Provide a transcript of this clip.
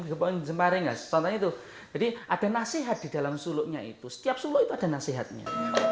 kepoing jempar enggak contoh itu jadi ada nasihat di dalam suluknya itu setiap suluk pada nasihatnya